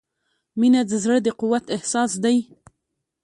• مینه د زړۀ د قوت احساس دی.